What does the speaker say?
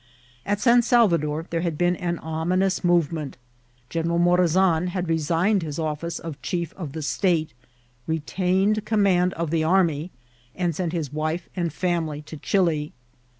At San Salvador Uiere had been an ominous move* ment. General Morazan had resigned his office of chief of the state, retaining command of the army, and sent his wife and family to Chili.